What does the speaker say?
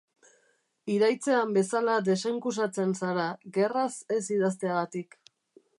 Iraitzean bezala desenkusatzen zara, gerraz ez idazteagatik.